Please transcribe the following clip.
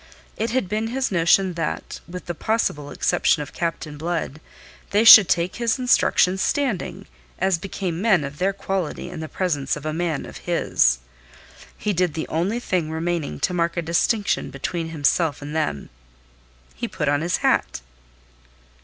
It had been his notion that with the possible exception of Captain Blood they should take his instructions standing, as became men of their quality in the presence of a man of his. He did the only thing remaining to mark a distinction between himself and them. He put on his hat.